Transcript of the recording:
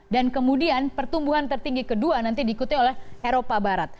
dan kemudian pertumbuhan tertinggi kedua nanti diikutnya oleh eropa barat